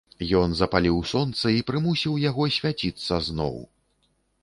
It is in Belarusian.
Ён запаліў сонца і прымусіў яго свяціцца зноў!